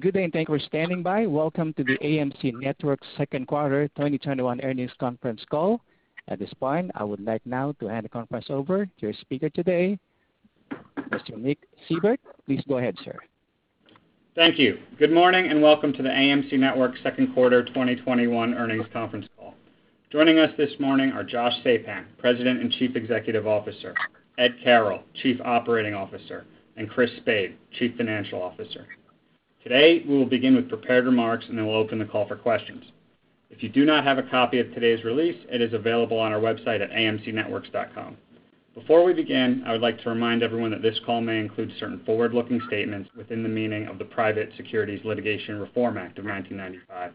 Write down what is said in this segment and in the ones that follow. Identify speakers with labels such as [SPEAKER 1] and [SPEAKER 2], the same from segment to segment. [SPEAKER 1] Good day, and thank you for standing by. Welcome to the AMC Networks second quarter 2021 earnings conference call. At this point, I would like now to hand the conference over to your speaker today, Mr. Nicholas Seibert. Please go ahead, sir.
[SPEAKER 2] Thank you. Good morning, and welcome to the AMC Networks second quarter 2021 earnings conference call. Joining us this morning are Josh Sapan, President and Chief Executive Officer, Ed Carroll, Chief Operating Officer, and Christina Spade, Chief Financial Officer. Today, we will begin with prepared remarks, and then we'll open the call for questions. If you do not have a copy of today's release, it is available on our website at amcnetworks.com. Before we begin, I would like to remind everyone that this call may include certain forward-looking statements within the meaning of the Private Securities Litigation Reform Act of 1995.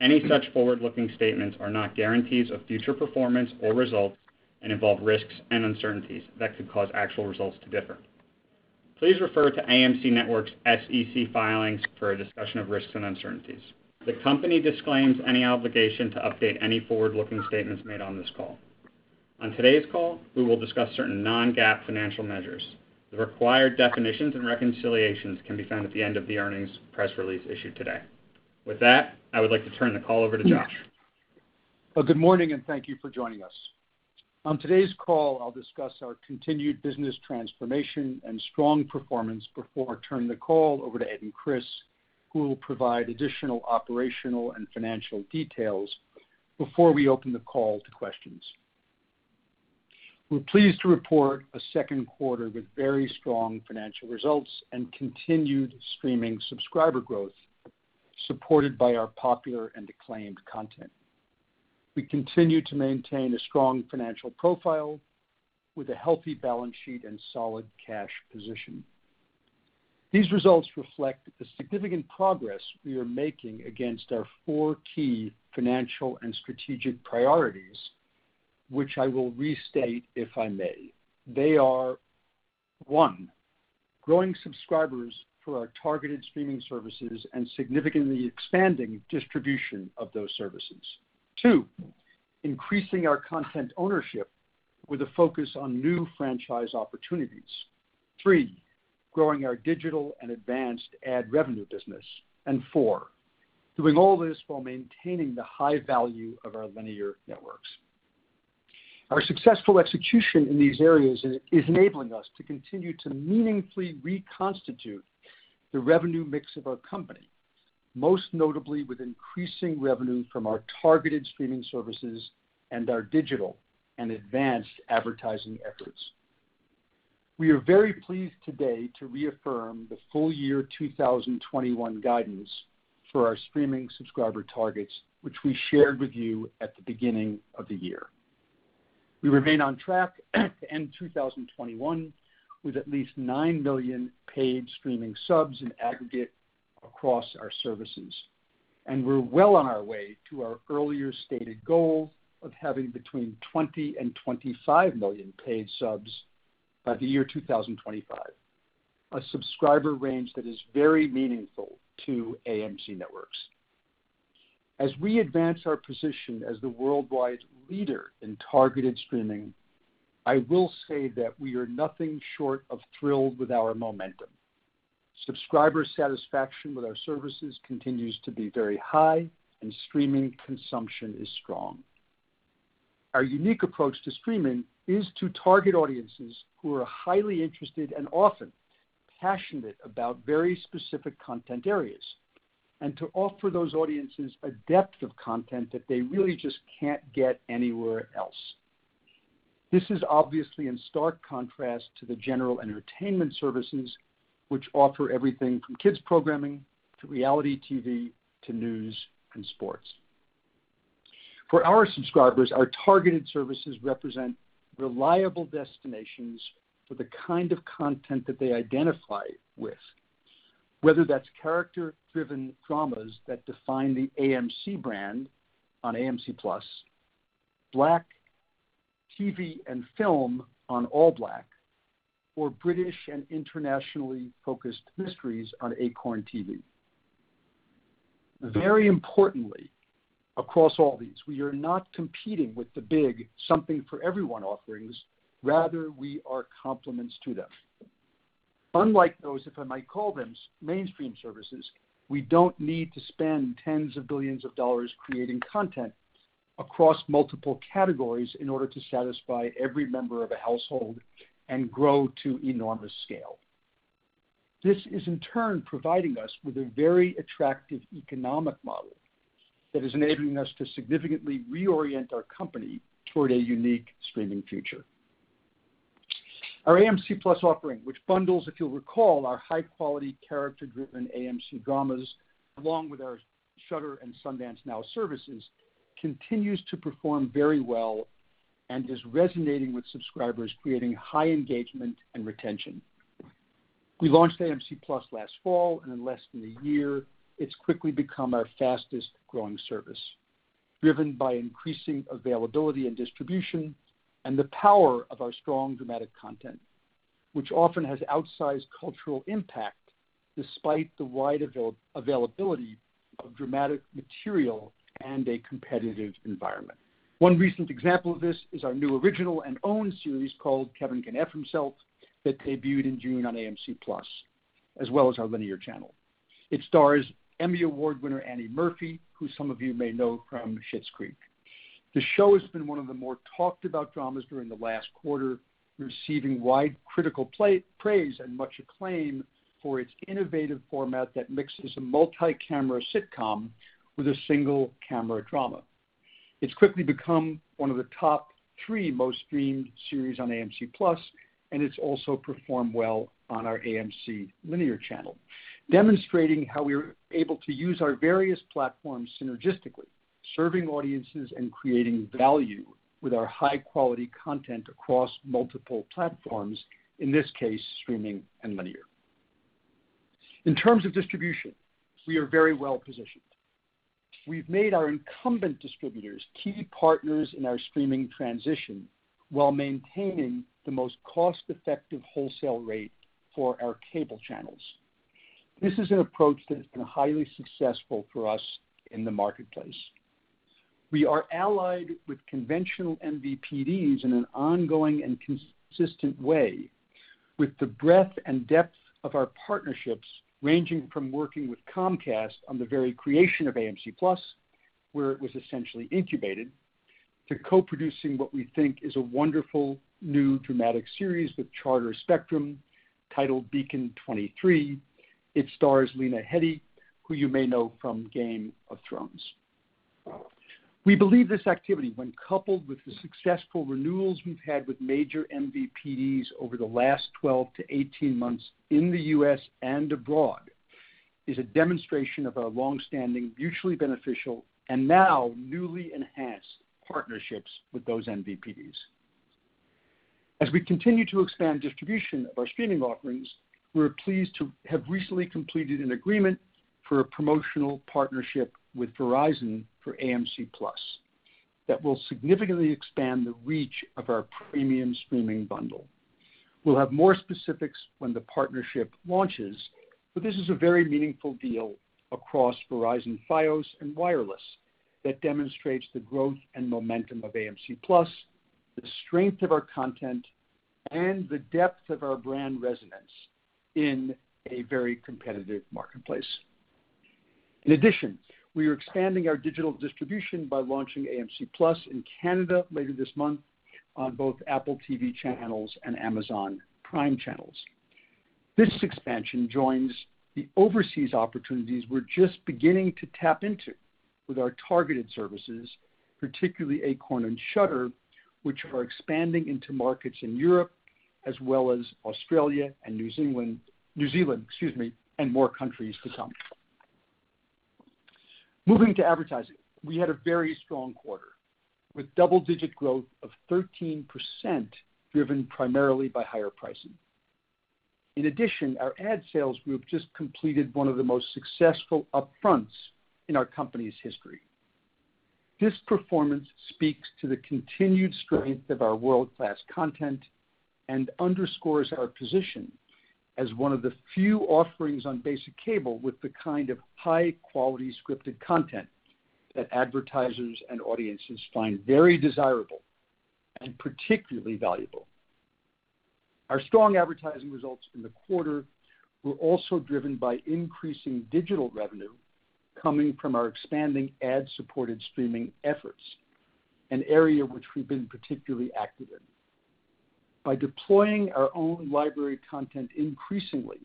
[SPEAKER 2] Any such forward-looking statements are not guarantees of future performance or results and involve risks and uncertainties that could cause actual results to differ. Please refer to AMC Networks' SEC filings for a discussion of risks and uncertainties. The company disclaims any obligation to update any forward-looking statements made on this call. On today's call, we will discuss certain non-GAAP financial measures. The required definitions and reconciliations can be found at the end of the earnings press release issued today. With that, I would like to turn the call over to Josh.
[SPEAKER 3] Well, good morning and thank you for joining us. On today's call, I'll discuss our continued business transformation and strong performance before I turn the call over to Ed and Chris, who will provide additional operational and financial details before we open the call to questions. We're pleased to report a second quarter with very strong financial results and continued streaming subscriber growth, supported by our popular and acclaimed content. We continue to maintain a strong financial profile with a healthy balance sheet and solid cash position. These results reflect the significant progress we are making against our four key financial and strategic priorities, which I will restate, if I may. They are, one, growing subscribers for our targeted streaming services and significantly expanding distribution of those services. Two, increasing our content ownership with a focus on new franchise opportunities. Three, growing our digital and advanced ad revenue business. Four, doing all this while maintaining the high value of our linear networks. Our successful execution in these areas is enabling us to continue to meaningfully reconstitute the revenue mix of our company, most notably with increasing revenue from our targeted streaming services and our digital and advanced advertising efforts. We are very pleased today to reaffirm the full year 2021 guidance for our streaming subscriber targets, which we shared with you at the beginning of the year. We remain on track to end 2021 with at least 9 million paid streaming subs in aggregate across our services, and we're well on our way to our earlier stated goal of having between 20 million-25 million paid subs by the year 2025, a subscriber range that is very meaningful to AMC Networks. As we advance our position as the worldwide leader in targeted streaming, I will say that we are nothing short of thrilled with our momentum. Subscriber satisfaction with our services continues to be very high, and streaming consumption is strong. Our unique approach to streaming is to target audiences who are highly interested and often passionate about very specific content areas, and to offer those audiences a depth of content that they really just can't get anywhere else. This is obviously in stark contrast to the general entertainment services which offer everything from kids' programming to reality TV to news and sports. For our subscribers, our targeted services represent reliable destinations for the kind of content that they identify with, whether that's character-driven dramas that define the AMC brand on AMC+, Black TV and film on ALLBLK, or British and internationally focused mysteries on Acorn TV. Very importantly, across all these, we are not competing with the big something for everyone offerings, rather we are complements to them. Unlike those, if I might call them, mainstream services, we don't need to spend tens of billions of dollars creating content across multiple categories in order to satisfy every member of a household and grow to enormous scale. This is, in turn, providing us with a very attractive economic model that is enabling us to significantly reorient our company toward a unique streaming future. Our AMC+ offering, which bundles, if you'll recall, our high-quality, character-driven AMC dramas, along with our Shudder and Sundance Now services, continues to perform very well and is resonating with subscribers, creating high engagement and retention. We launched AMC+ last fall, and in less than one year, it's quickly become our fastest-growing service, driven by increasing availability and distribution and the power of our strong dramatic content, which often has outsized cultural impact despite the wide availability of dramatic material and a competitive environment. One recent example of this is our new original and own series called "Kevin Can Fk Himself," that debuted in June on AMC+ as well as our linear channel. It stars Emmy Award winner Annie Murphy, who some of you may know from "Schitt's Creek." The show has been one of the more talked about dramas during the last quarter, receiving wide critical praise and much acclaim for its innovative format that mixes a multi-camera sitcom with a single-camera drama. It's quickly become one of the top three most streamed series on AMC+, and it's also performed well on our AMC linear channel, demonstrating how we're able to use our various platforms synergistically, serving audiences and creating value with our high-quality content across multiple platforms, in this case, streaming and linear. In terms of distribution, we are very well positioned. We've made our incumbent distributors key partners in our streaming transition while maintaining the most cost-effective wholesale rate for our cable channels. This is an approach that has been highly successful for us in the marketplace. We are allied with conventional MVPDs in an ongoing and consistent way with the breadth and depth of our partnerships ranging from working with Comcast on the very creation of AMC+, where it was essentially incubated, to co-producing what we think is a wonderful new dramatic series with Charter Spectrum titled "Beacon 23." It stars Lena Headey, who you may know from "Game of Thrones." We believe this activity, when coupled with the successful renewals we've had with major MVPDs over the last 12-18 months in the U.S. and abroad, is a demonstration of our longstanding mutually beneficial and now newly enhanced partnerships with those MVPDs. As we continue to expand distribution of our streaming offerings, we're pleased to have recently completed an agreement for a promotional partnership with Verizon for AMC+ that will significantly expand the reach of our premium streaming bundle. We'll have more specifics when the partnership launches. This is a very meaningful deal across Verizon Fios and Wireless that demonstrates the growth and momentum of AMC+, the strength of our content, and the depth of our brand resonance in a very competitive marketplace. In addition, we are expanding our digital distribution by launching AMC+ in Canada later this month on both Apple TV channels and Amazon Prime channels. This expansion joins the overseas opportunities we're just beginning to tap into with our targeted services, particularly Acorn TV and Shudder, which are expanding into markets in Europe as well as Australia and New Zealand, excuse me, and more countries to come. Moving to advertising. We had a very strong quarter with double-digit growth of 13% driven primarily by higher pricing. In addition, our ad sales group just completed one of the most successful upfronts in our company's history. This performance speaks to the continued strength of our world-class content and underscores our position as one of the few offerings on basic cable with the kind of high-quality scripted content that advertisers and audiences find very desirable and particularly valuable. Our strong advertising results in the quarter were also driven by increasing digital revenue coming from our expanding ad-supported streaming efforts, an area which we've been particularly active in. By deploying our own library content increasingly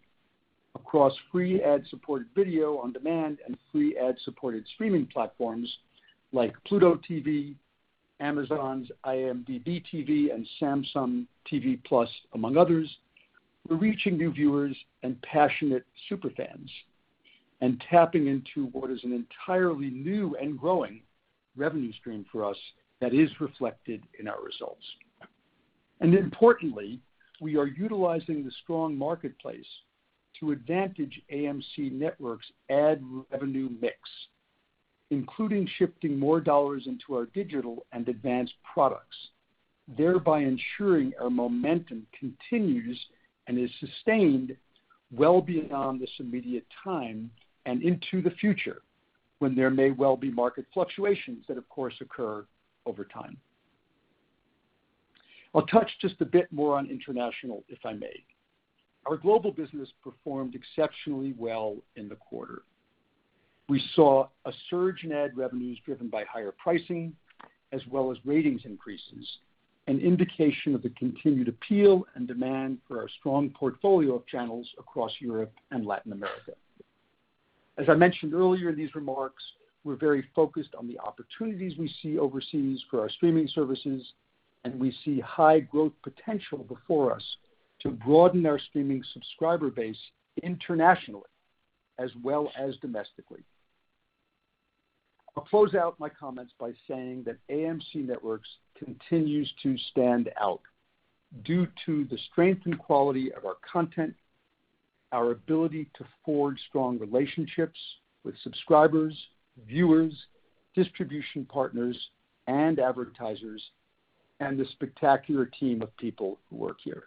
[SPEAKER 3] across free ad-supported video on demand and free ad-supported streaming platforms like Pluto TV, Amazon's IMDb TV, and Samsung TV Plus, among others, we're reaching new viewers and passionate super fans and tapping into what is an entirely new and growing revenue stream for us that is reflected in our results. Importantly, we are utilizing the strong marketplace to advantage AMC Networks' ad revenue mix, including shifting more dollars into our digital and advanced products, thereby ensuring our momentum continues and is sustained well beyond this immediate time and into the future when there may well be market fluctuations that of course occur over time. I'll touch just a bit more on international, if I may. Our global business performed exceptionally well in the quarter. We saw a surge in ad revenues driven by higher pricing as well as ratings increases, an indication of the continued appeal and demand for our strong portfolio of channels across Europe and Latin America. As I mentioned earlier in these remarks, we're very focused on the opportunities we see overseas for our streaming services, and we see high growth potential before us to broaden our streaming subscriber base internationally as well as domestically. I'll close out my comments by saying that AMC Networks continues to stand out due to the strength and quality of our content, our ability to forge strong relationships with subscribers, viewers, distribution partners, and advertisers, and the spectacular team of people who work here.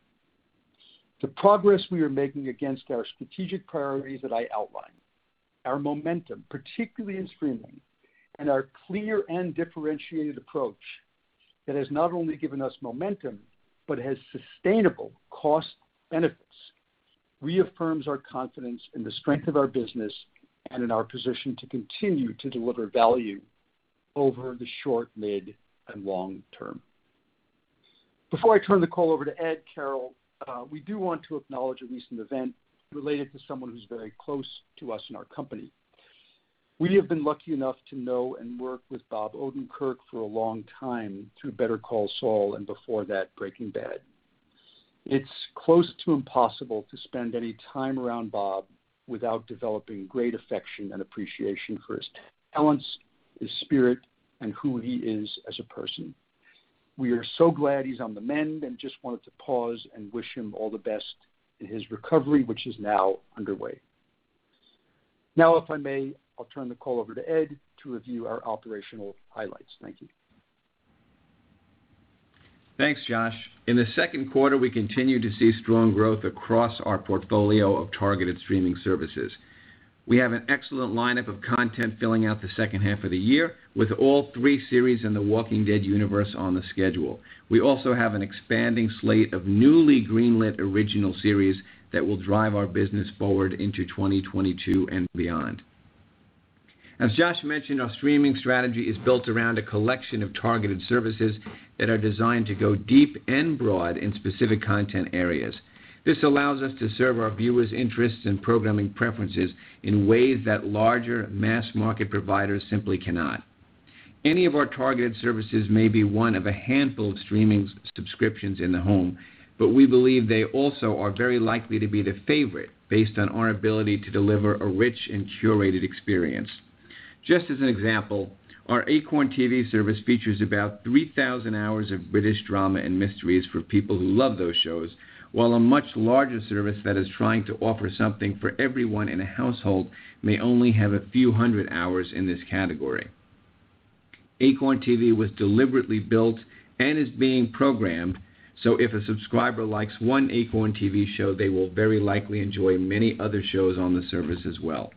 [SPEAKER 3] The progress we are making against our strategic priorities that I outlined, our momentum, particularly in streaming, and our clear and differentiated approach that has not only given us momentum but has sustainable cost benefits, reaffirms our confidence in the strength of our business and in our position to continue to deliver value over the short, mid, and long term. Before I turn the call over to Ed Carroll, we do want to acknowledge a recent event related to someone who's very close to us and our company. We have been lucky enough to know and work with Bob Odenkirk for a long time through "Better Call Saul," and before that, "Breaking Bad." It's close to impossible to spend any time around Bob without developing great affection and appreciation for his talents, his spirit, and who he is as a person. We are so glad he's on the mend and just wanted to pause and wish him all the best in his recovery, which is now underway. Now, if I may, I'll turn the call over to Ed to review our operational highlights. Thank you.
[SPEAKER 4] Thanks, Josh. In the second quarter, we continued to see strong growth across our portfolio of targeted streaming services. We have an excellent lineup of content filling out the second half of the year, with all three series in the Walking Dead Universe on the schedule. We also have an expanding slate of newly green-lit original series that will drive our business forward into 2022 and beyond. As Josh mentioned, our streaming strategy is built around a collection of targeted services that are designed to go deep and broad in specific content areas. This allows us to serve our viewers' interests and programming preferences in ways that larger mass-market providers simply cannot. Any of our targeted services may be one of a handful of streaming subscriptions in the home, but we believe they also are very likely to be the favorite based on our ability to deliver a rich and curated experience. Just as an example, our Acorn TV service features about 3,000 hours of British drama and mysteries for people who love those shows, while a much larger service that is trying to offer something for everyone in a household may only have a few hundred hours in this category. Acorn TV was deliberately built and is being programmed, so if a subscriber likes one Acorn TV show, they will very likely enjoy many other shows on the service as well.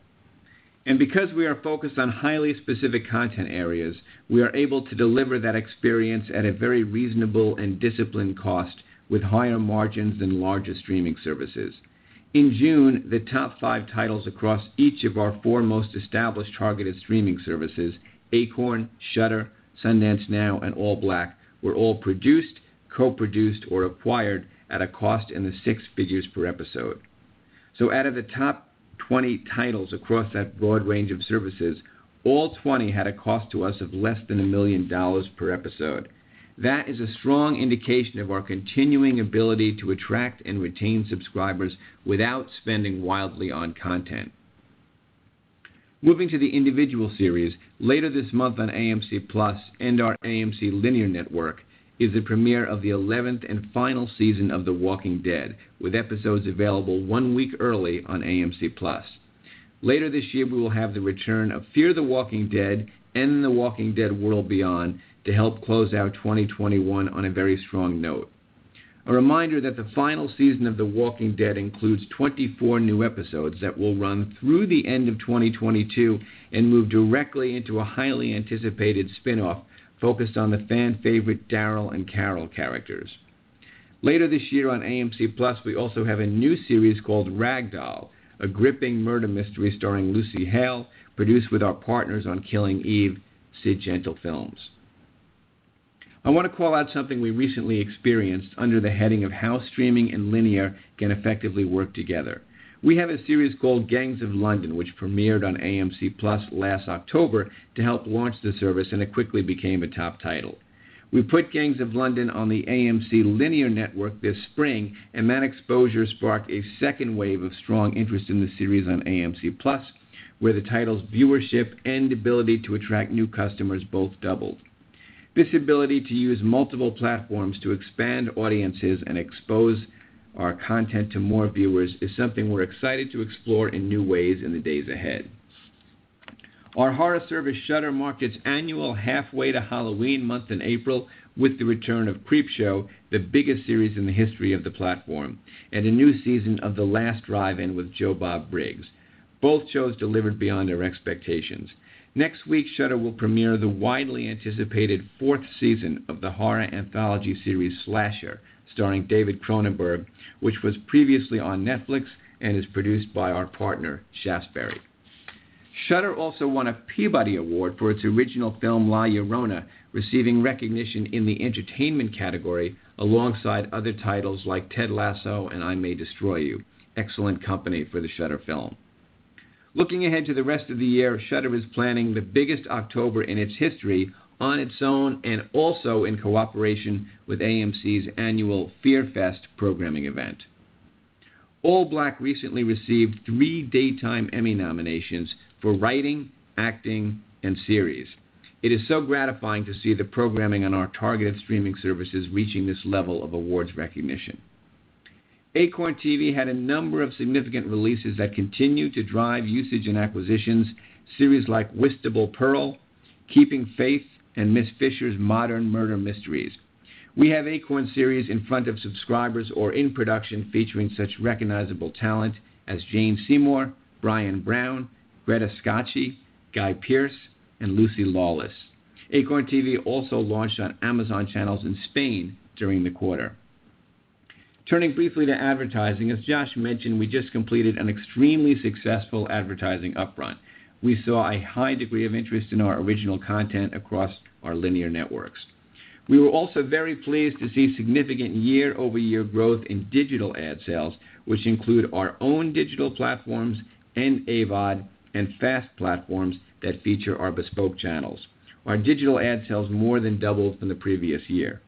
[SPEAKER 4] Because we are focused on highly specific content areas, we are able to deliver that experience at a very reasonable and disciplined cost, with higher margins than larger streaming services. In June, the top five titles across each of our four most established targeted streaming services, Acorn, Shudder, Sundance Now, and ALLBLK, were all produced, co-produced, or acquired at a cost in the six figures per episode. Out of the top 20 titles across that broad range of services, all 20 had a cost to us of less than $1 million per episode. That is a strong indication of our continuing ability to attract and retain subscribers without spending wildly on content. Moving to the individual series, later this month on AMC+ and our AMC linear network is the premiere of the 11th and final season of The Walking Dead, with episodes available one week early on AMC+. Later this year, we will have the return of Fear the Walking Dead and The Walking Dead: World Beyond to help close out 2021 on a very strong note. A reminder that the final season of The Walking Dead includes 24 new episodes that will run through the end of 2022 and move directly into a highly anticipated spinoff focused on the fan favorite Daryl and Carol characters. Later this year on AMC+, we also have a new series called Ragdoll, a gripping murder mystery starring Lucy Hale, produced with our partners on Killing Eve, Sid Gentle Films. I want to call out something we recently experienced under the heading of how streaming and linear can effectively work together. We have a series called "Gangs of London," which premiered on AMC+ last October to help launch the service, and it quickly became a top title. We put "Gangs of London" on the AMC linear network this spring, and that exposure sparked a second wave of strong interest in the series on AMC+, where the title's viewership and ability to attract new customers both doubled. This ability to use multiple platforms to expand audiences and expose our content to more viewers is something we're excited to explore in new ways in the days ahead. Our horror service, Shudder, marked its annual Halfway to Halloween month in April with the return of "Creepshow," the biggest series in the history of the platform, and a new season of "The Last Drive-In with Joe Bob Briggs." Both shows delivered beyond our expectations. Next week, Shudder will premiere the widely anticipated fourth season of the horror anthology series "Slasher," starring David Cronenberg, which was previously on Netflix and is produced by our partner, Shaftesbury. Shudder also won a Peabody Award for its original film, "La Llorona," receiving recognition in the entertainment category alongside other titles like "Ted Lasso" and "I May Destroy You." Excellent company for the Shudder film. Looking ahead to the rest of the year, Shudder is planning the biggest October in its history on its own and also in cooperation with AMC's annual FearFest programming event. ALLBLK recently received 3 Daytime Emmy nominations for writing, acting, and series. It is so gratifying to see the programming on our targeted streaming services reaching this level of awards recognition. Acorn TV had a number of significant releases that continue to drive usage and acquisitions. Series like Whitstable Pearl, Keeping Faith and Ms Fisher's Modern Murder Mysteries. We have Acorn series in front of subscribers or in production featuring such recognizable talent as Jane Seymour, Brenda Blethyn, Greta Scacchi, Guy Pearce, and Lucy Lawless. Acorn TV also launched on Amazon Channels in Spain during the quarter. Turning briefly to advertising, as Josh mentioned, we just completed an extremely successful advertising upfront. We saw a high degree of interest in our original content across our linear networks. We were also very pleased to see significant year-over-year growth in digital ad sales, which include our own digital platforms and AVOD, and FAST platforms that feature our bespoke channels. Our digital ad sales more than doubled from the previous year.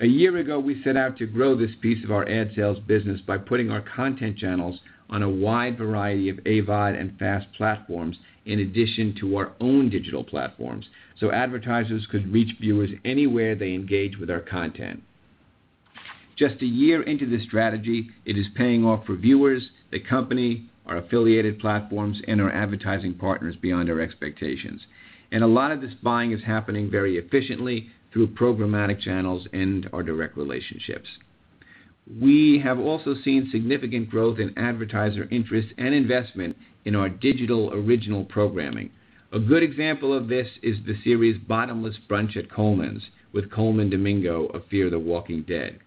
[SPEAKER 4] A year ago, we set out to grow this piece of our ad sales business by putting our content channels on a wide variety of AVOD and FAST platforms in addition to our own digital platforms, so advertisers could reach viewers anywhere they engage with our content. Just a year into this strategy, it is paying off for viewers, the company, our affiliated platforms, and our advertising partners beyond our expectations. A lot of this buying is happening very efficiently through programmatic channels and our direct relationships. We have also seen significant growth in advertiser interest and investment in our digital original programming. A good example of this is the series, Bottomless Brunch at Colman's, with Colman Domingo of Fear the Walking Dead.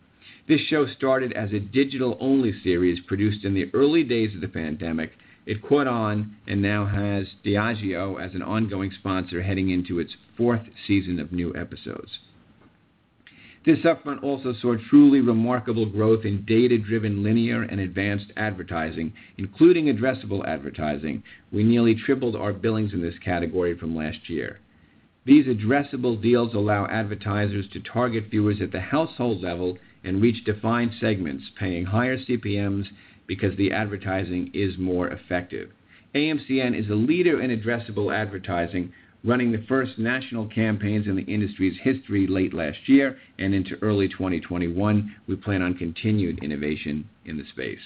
[SPEAKER 4] This show started as a digital-only series produced in the early days of the pandemic. It caught on and now has Diageo as an ongoing sponsor heading into its fourth season of new episodes. This upfront also saw truly remarkable growth in data-driven linear and advanced advertising, including addressable advertising. We nearly tripled our billings in this category from last year. These addressable deals allow advertisers to target viewers at the household level and reach defined segments, paying higher CPMs because the advertising is more effective. AMCN is a leader in addressable advertising, running the first national campaigns in the industry's history late last year and into early 2021. We plan on continued innovation in the space.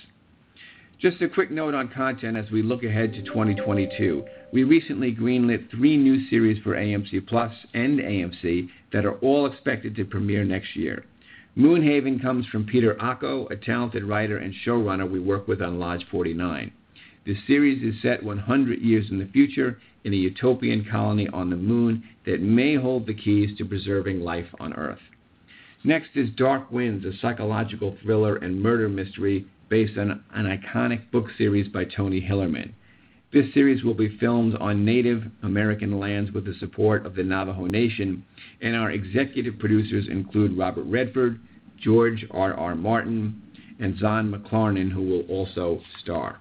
[SPEAKER 4] Just a quick note on content as we look ahead to 2022. We recently greenlit three new series for AMC+ and AMC that are all expected to premiere next year. Moonhaven comes from Peter Ocko, a talented writer and showrunner we worked with on Lodge 49. This series is set 100 years in the future in a utopian colony on the Moon that may hold the keys to preserving life on Earth. Next is Dark Winds, a psychological thriller and murder mystery based on an iconic book series by Tony Hillerman. This series will be filmed on Native American lands with the support of the Navajo Nation, and our Executive Producers include Robert Redford, George R. R. Martin, and Zahn McClarnon, who will also star.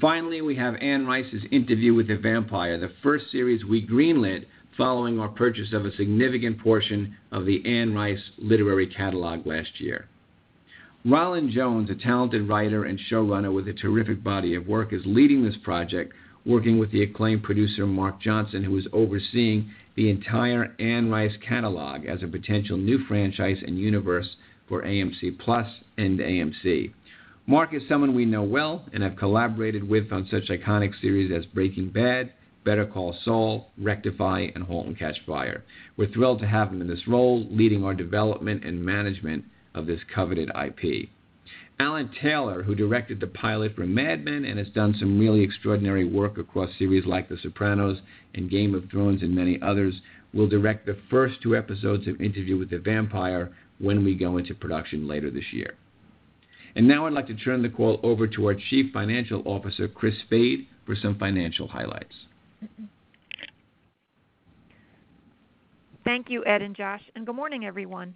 [SPEAKER 4] Finally, we have Anne Rice's Interview with the Vampire, the first series we greenlit following our purchase of a significant portion of the Anne Rice literary catalog last year. Rolin Jones, a talented writer and showrunner with a terrific body of work, is leading this project, working with the acclaimed producer Mark Johnson, who is overseeing the entire Anne Rice catalog as a potential new franchise and universe for AMC+ and AMC. Mark is someone we know well and have collaborated with on such iconic series as Breaking Bad, Better Call Saul, Rectify, and Halt and Catch Fire. We're thrilled to have him in this role, leading our development and management of this coveted IP. Alan Taylor, who directed the pilot for Mad Men and has done some really extraordinary work across series like The Sopranos and Game of Thrones and many others, will direct the first two episodes of Interview with the Vampire when we go into production later this year. Now I'd like to turn the call over to our Chief Financial Officer, Chris Spade, for some financial highlights.
[SPEAKER 5] Thank you, Ed and Josh, and good morning, everyone.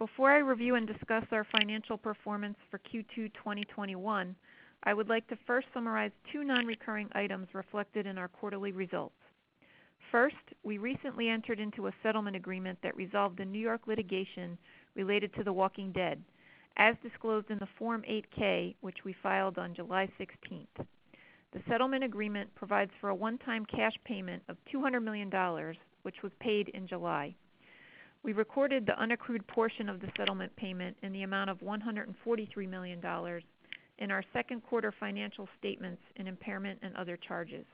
[SPEAKER 5] Before I review and discuss our financial performance for Q2 2021, I would like to first summarize two non-recurring items reflected in our quarterly results. First, we recently entered into a settlement agreement that resolved the New York litigation related to The Walking Dead, as disclosed in the Form 8-K, which we filed on July 16th. The settlement agreement provides for a one-time cash payment of $200 million, which was paid in July. We recorded the unaccrued portion of the settlement payment in the amount of $143 million in our second quarter financial statements in impairment and other charges.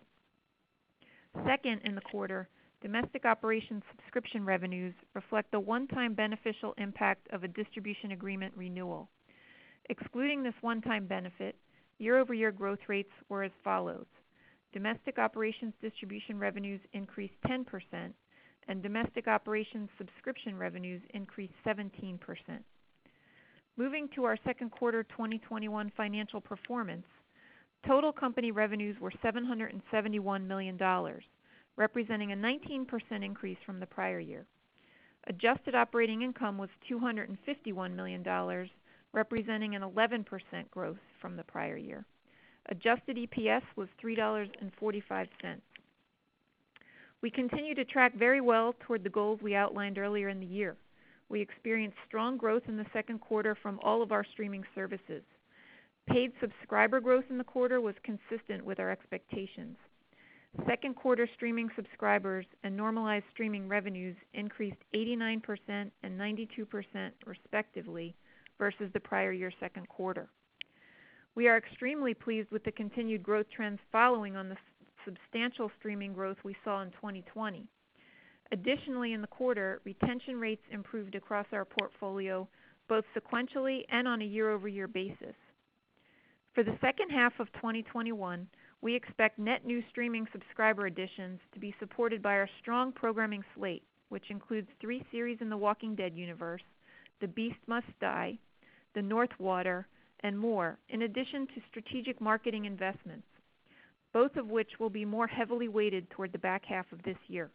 [SPEAKER 5] Second, in the quarter, domestic operations subscription revenues reflect the one-time beneficial impact of a distribution agreement renewal. Excluding this one-time benefit, year-over-year growth rates were as follows: domestic operations distribution revenues increased 10%, and domestic operations subscription revenues increased 17%. Moving to our second quarter 2021 financial performance, total company revenues were $771 million, representing a 19% increase from the prior year. Adjusted operating income was $251 million, representing an 11% growth from the prior year. Adjusted EPS was $3.45. We continue to track very well toward the goals we outlined earlier in the year. We experienced strong growth in the second quarter from all of our streaming services. Paid subscriber growth in the quarter was consistent with our expectations. Second quarter streaming subscribers and normalized streaming revenues increased 89% and 92%, respectively, versus the prior year second quarter. We are extremely pleased with the continued growth trends following on the substantial streaming growth we saw in 2020. Additionally, in the quarter, retention rates improved across our portfolio, both sequentially and on a year-over-year basis. For the second half of 2021, we expect net new streaming subscriber additions to be supported by our strong programming slate, which includes three series in The Walking Dead universe, The Beast Must Die, The North Water, and more, in addition to strategic marketing investments, both of which will be more heavily weighted toward the back half of this year.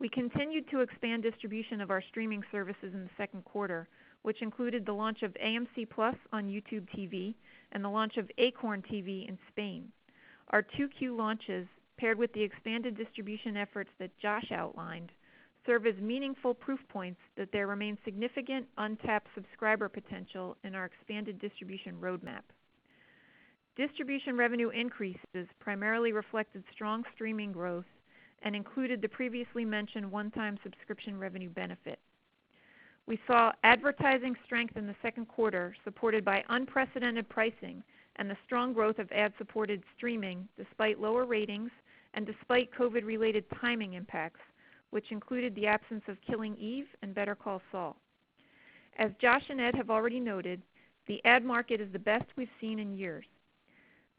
[SPEAKER 5] We continued to expand distribution of our streaming services in the second quarter, which included the launch of AMC+ on YouTube TV and the launch of Acorn TV in Spain. Our 2Q launches, paired with the expanded distribution efforts that Josh outlined, serve as meaningful proof points that there remains significant untapped subscriber potential in our expanded distribution roadmap. Distribution revenue increases primarily reflected strong streaming growth and included the previously mentioned one-time subscription revenue benefit. We saw advertising strength in the second quarter supported by unprecedented pricing and the strong growth of ad-supported streaming, despite lower ratings and despite COVID-related timing impacts, which included the absence of Killing Eve and Better Call Saul. As Josh and Ed have already noted, the ad market is the best we've seen in years.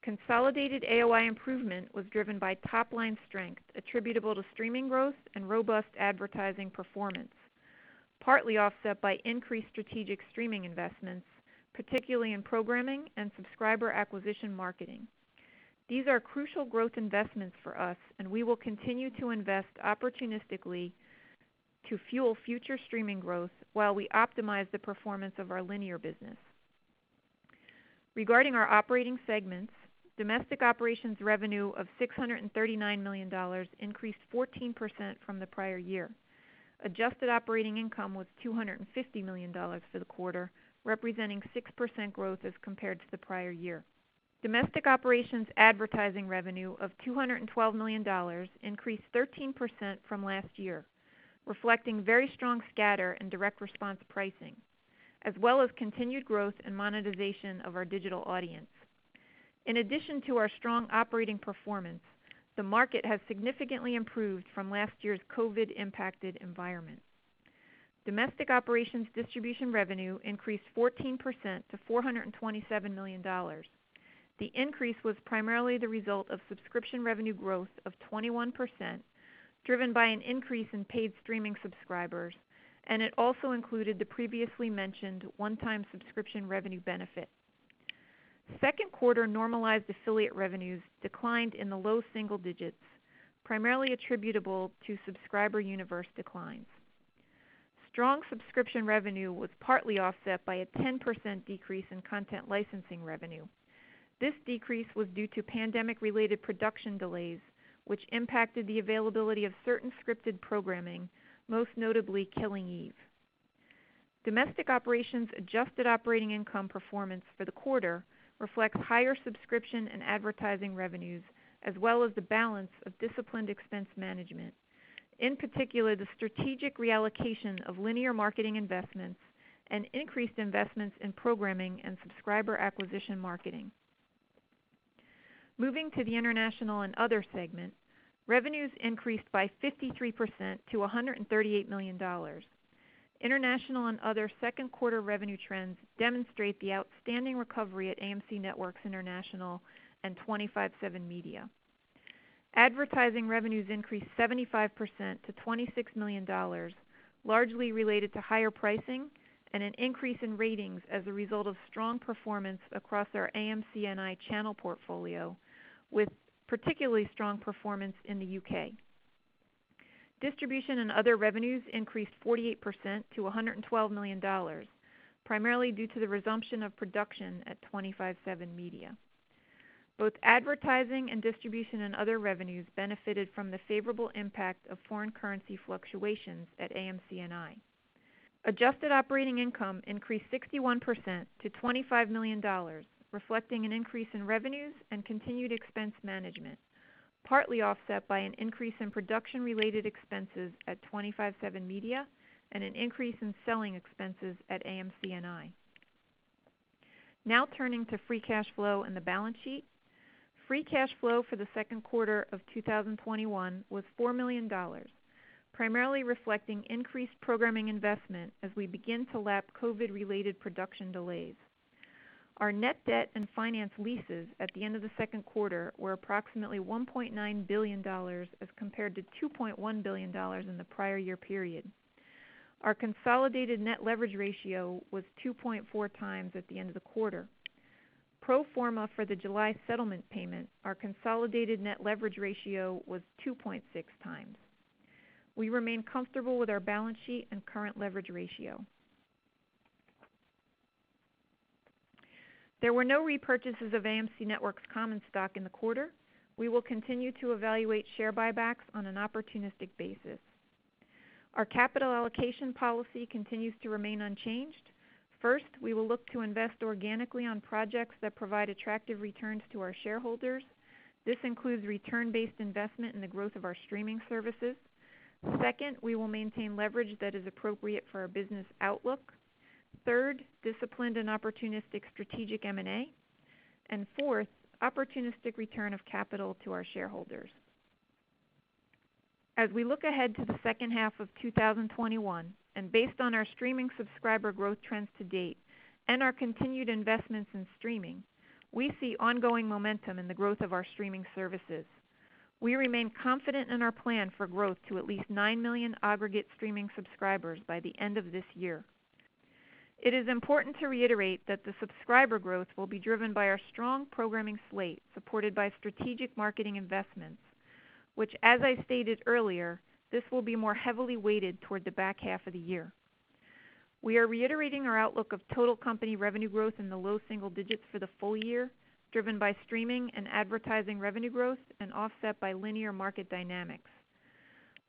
[SPEAKER 5] Consolidated AOI improvement was driven by top-line strength attributable to streaming growth and robust advertising performance, partly offset by increased strategic streaming investments, particularly in programming and subscriber acquisition marketing. These are crucial growth investments for us, and we will continue to invest opportunistically to fuel future streaming growth while we optimize the performance of our linear business. Regarding our operating segments, domestic operations revenue of $639 million increased 14% from the prior year. Adjusted operating income was $250 million for the quarter, representing 6% growth as compared to the prior year. Domestic operations advertising revenue of $212 million increased 13% from last year, reflecting very strong scatter and direct response pricing, as well as continued growth and monetization of our digital audience. In addition to our strong operating performance, the market has significantly improved from last year's COVID-impacted environment. Domestic operations distribution revenue increased 14% to $427 million. The increase was primarily the result of subscription revenue growth of 21%, driven by an increase in paid streaming subscribers, and it also included the previously mentioned one-time subscription revenue benefit. Second quarter normalized affiliate revenues declined in the low single digits, primarily attributable to subscriber universe declines. Strong subscription revenue was partly offset by a 10% decrease in content licensing revenue. This decrease was due to pandemic-related production delays, which impacted the availability of certain scripted programming, most notably "Killing Eve." Domestic operations adjusted operating income performance for the quarter reflects higher subscription and advertising revenues, as well as the balance of disciplined expense management, in particular, the strategic reallocation of linear marketing investments and increased investments in programming and subscriber acquisition marketing. Moving to the International and Other segment, revenues increased by 53% to $138 million. International and Other second quarter revenue trends demonstrate the outstanding recovery at AMC Networks International and 25/7 Media. Advertising revenues increased 75% to $26 million, largely related to higher pricing and an increase in ratings as a result of strong performance across our AMCNI channel portfolio, with particularly strong performance in the U.K. Distribution and other revenues increased 48% to $112 million, primarily due to the resumption of production at 25/7 Media. Both advertising and distribution and other revenues benefited from the favorable impact of foreign currency fluctuations at AMCNI. Adjusted operating income increased 61% to $25 million, reflecting an increase in revenues and continued expense management, partly offset by an increase in production-related expenses at 25/7 Media and an increase in selling expenses at AMCNI. Turning to free cash flow and the balance sheet. Free cash flow for the second quarter of 2021 was $4 million, primarily reflecting increased programming investment as we begin to lap COVID-related production delays. Our net debt and finance leases at the end of the second quarter were approximately $1.9 billion as compared to $2.1 billion in the prior year period. Our consolidated net leverage ratio was 2.4 times at the end of the quarter. Pro forma for the July settlement payment, our consolidated net leverage ratio was 2.6 times. We remain comfortable with our balance sheet and current leverage ratio. There were no repurchases of AMC Networks common stock in the quarter. We will continue to evaluate share buybacks on an opportunistic basis. Our capital allocation policy continues to remain unchanged. First, we will look to invest organically on projects that provide attractive returns to our shareholders. This includes return-based investment in the growth of our streaming services. Second, we will maintain leverage that is appropriate for our business outlook. Third, disciplined and opportunistic strategic M&A. Fourth, opportunistic return of capital to our shareholders. As we look ahead to the second half of 2021, and based on our streaming subscriber growth trends to date and our continued investments in streaming, we see ongoing momentum in the growth of our streaming services. We remain confident in our plan for growth to at least 9 million aggregate streaming subscribers by the end of this year. It is important to reiterate that the subscriber growth will be driven by our strong programming slate, supported by strategic marketing investments, which, as I stated earlier, this will be more heavily weighted toward the back half of the year. We are reiterating our outlook of total company revenue growth in the low single digits for the full year, driven by streaming and advertising revenue growth and offset by linear market dynamics.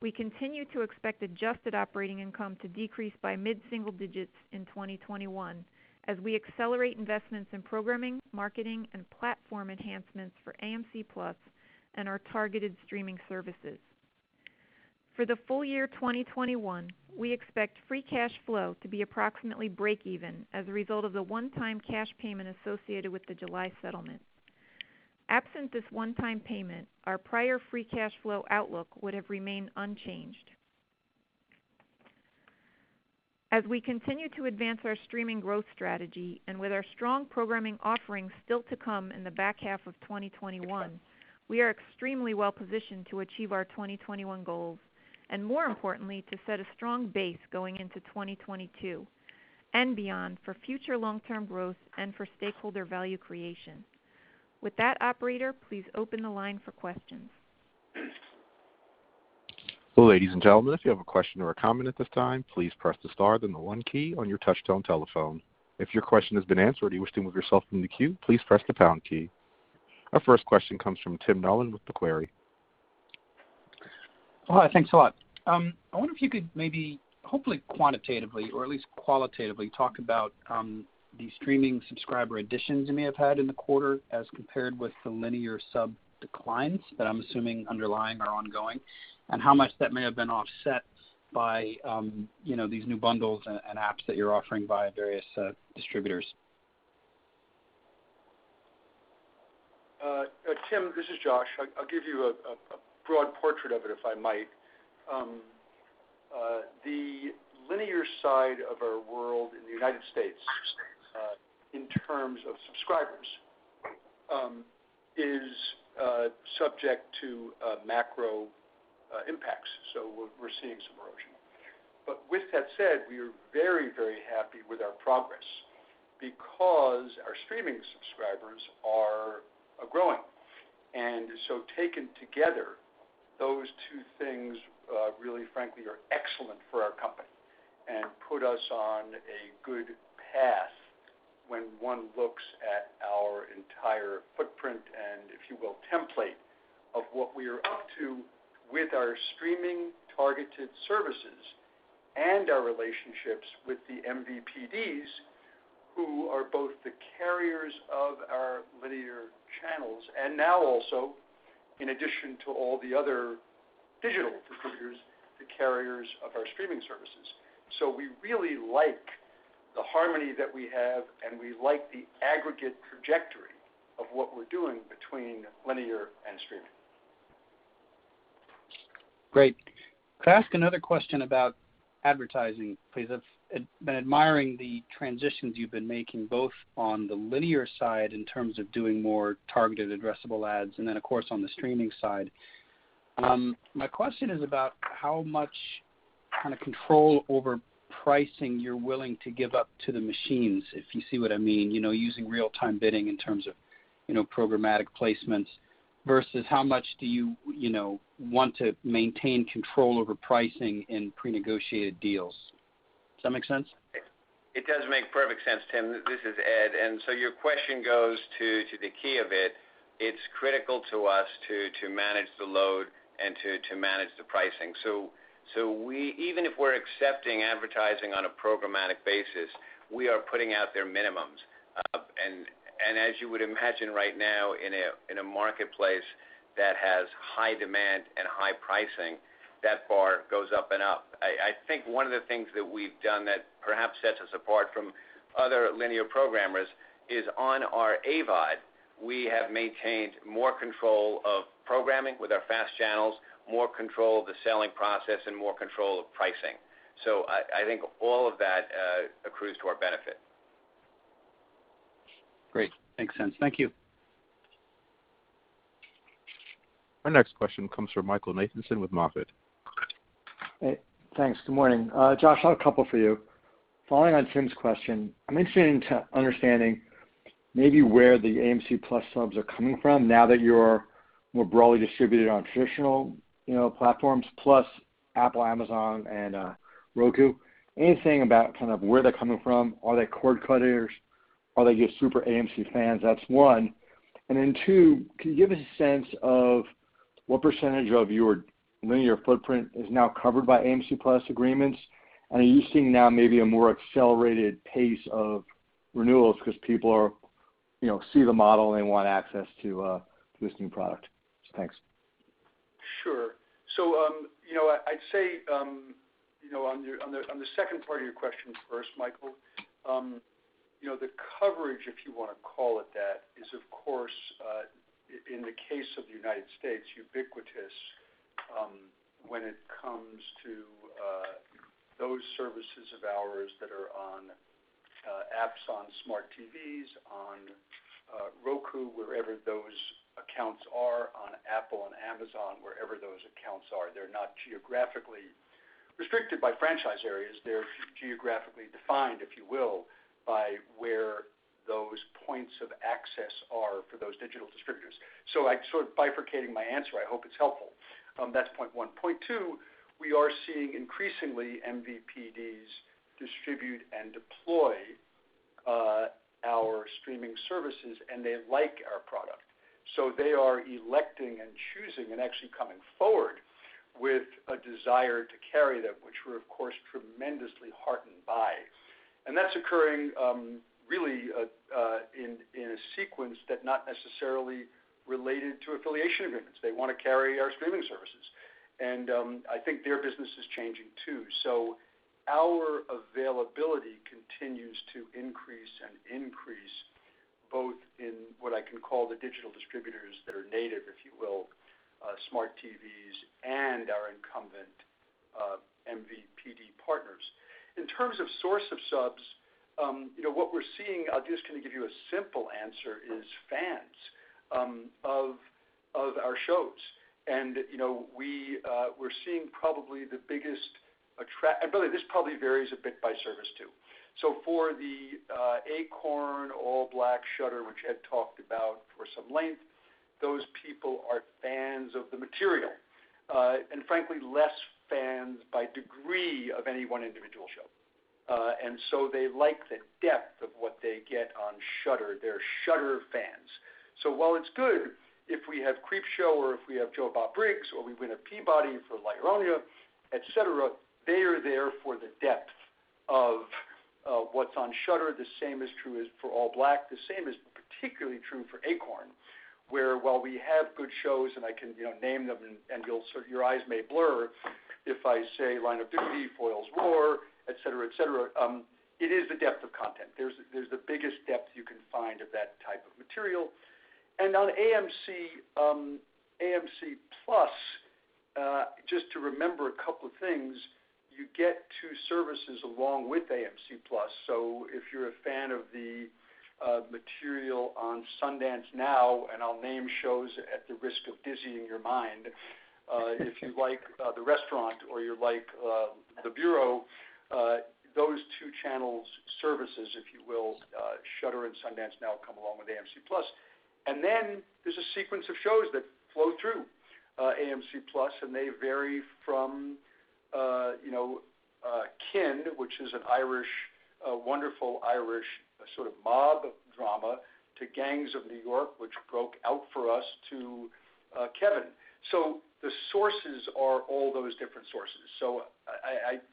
[SPEAKER 5] We continue to expect adjusted operating income to decrease by mid-single digits in 2021 as we accelerate investments in programming, marketing, and platform enhancements for AMC+ and our targeted streaming services. For the full year 2021, we expect free cash flow to be approximately break even as a result of the one-time cash payment associated with the July settlement. Absent this one-time payment, our prior free cash flow outlook would have remained unchanged. As we continue to advance our streaming growth strategy, and with our strong programming offerings still to come in the back half of 2021, we are extremely well-positioned to achieve our 2021 goals, and more importantly, to set a strong base going into 2022 and beyond for future long-term growth and for stakeholder value creation. With that, operator, please open the line for questions.
[SPEAKER 1] Our first question comes from Tim Nollen with Macquarie.
[SPEAKER 6] Hi. Thanks a lot. I wonder if you could maybe, hopefully quantitatively or at least qualitatively, talk about the streaming subscriber additions you may have had in the quarter as compared with the linear sub declines that I'm assuming underlying are ongoing, and how much that may have been offset by these new bundles and apps that you're offering via various distributors.
[SPEAKER 3] Tim, this is Josh. I'll give you a broad portrait of it, if I might. The linear side of our world in the U.S., in terms of subscribers, is subject to macro impacts, so we're seeing some erosion. With that said, we are very happy with our progress because our streaming subscribers are growing. Taken together, those two things really frankly are excellent for our company and put us on a good path when one looks at our entire footprint and, if you will, template of what we are up to with our streaming targeted services and our relationships with the MVPDs, who are both the carriers of our linear channels and now also, in addition to all the other digital distributors, the carriers of our streaming services. We really like the harmony that we have, and we like the aggregate trajectory of what we're doing between linear and streaming.
[SPEAKER 6] Great. Could I ask another question about advertising, please? I've been admiring the transitions you've been making, both on the linear side in terms of doing more targeted addressable ads and then, of course, on the streaming side. My question is about how much kind of control over pricing you're willing to give up to the machines, if you see what I mean. Using real-time bidding in terms of programmatic placements versus how much do you want to maintain control over pricing in prenegotiated deals. Does that make sense?
[SPEAKER 4] It does make perfect sense, Tim. This is Ed. Your question goes to the key of it. It's critical to us to manage the load and to manage the pricing. Even if we're accepting advertising on a programmatic basis, we are putting out their minimums. As you would imagine right now in a marketplace that has high demand and high pricing, that bar goes up and up. I think one of the things that we've done that perhaps sets us apart from other linear programmers is on our AVOD, we have maintained more control of programming with our FAST channels, more control of the selling process and more control of pricing. I think all of that accrues to our benefit.
[SPEAKER 6] Great. Makes sense. Thank you.
[SPEAKER 1] Our next question comes from Michael Nathanson with MoffettNathanson.
[SPEAKER 7] Thanks. Good morning. Josh, I have a couple for you. Following on Tim's question, I'm interested in understanding maybe where the AMC+ subs are coming from now that you're more broadly distributed on traditional platforms, plus Apple, Amazon, and Roku. Anything about kind of where they're coming from? Are they cord cutters? Are they just super AMC fans? That's 1. 2, can you give us a sense of what % of your linear footprint is now covered by AMC+ agreements? Are you seeing now maybe a more accelerated pace of renewals because people are seeing the model and they want access to this new product. Thanks.
[SPEAKER 3] Sure. I'd say, on the second part of your question first, Michael, the coverage, if you want to call it that, is of course, in the case of the U.S., ubiquitous when it comes to those services of ours that are on apps, on smart TVs, on Roku, wherever those accounts are on Apple and Amazon, wherever those accounts are. They're not geographically restricted by franchise areas. They're geographically defined, if you will, by where those points of access are for those digital distributors. I'm sort of bifurcating my answer. I hope it's helpful. That's point 1. Point 2, we are seeing increasingly MVPDs distribute and deploy our streaming services, and they like our product. They are electing and choosing and actually coming forward with a desire to carry them, which we're, of course, tremendously heartened by. That's occurring really in a sequence that not necessarily related to affiliation agreements. They want to carry our streaming services. I think their business is changing, too. Our availability continues to increase and increase both in what I can call the digital distributors that are native, if you will, smart TVs and our incumbent MVPD partners. In terms of source of subs, what we're seeing, I'll just kind of give you a simple answer, is fans of our shows. We're seeing probably and really, this probably varies a bit by service, too. For the Acorn, ALLBLK, Shudder, which Ed talked about for some length, those people are fans of the material. Frankly, less fans by degree of any 1 individual show. They like the depth of what they get on Shudder. They're Shudder fans. While it's good if we have Creepshow or if we have Joe Bob Briggs or we win a Peabody for La Llorona, et cetera, they are there for the depth of what's on Shudder. The same is true as for ALLBLK. The same is particularly true for Acorn, where while we have good shows, and I can name them and your eyes may blur if I say Line of Duty, Foyle's War, et cetera. It is the depth of content. There's the biggest depth you can find of that type of material. On AMC+, just to remember a couple of things, you get two services along with AMC+. If you're a fan of the material on Sundance Now, and I'll name shows at the risk of dizzying your mind. If you like The Restaurant or you like The Bureau, those two channels services, if you will, Shudder and Sundance Now come along with AMC+. There's a sequence of shows that flow through AMC+, and they vary from Kin, which is a wonderful Irish sort of mob drama, to Gangs of London, which broke out for us, to Kevin. The sources are all those different sources.